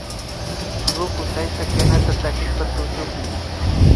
Ruku tayta kinata takishpa tushukun